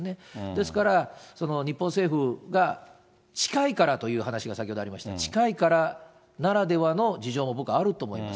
ですから、日本政府が近いからという話が先ほどありましたが、近いからならではの事情も僕、あると思います。